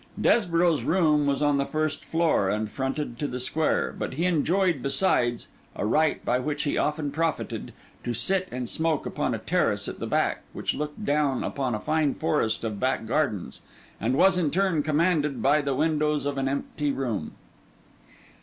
Desborough's room was on the first floor and fronted to the square; but he enjoyed besides, a right by which he often profited, to sit and smoke upon a terrace at the back, which looked down upon a fine forest of back gardens, and was in turn commanded by the windows of an empty room.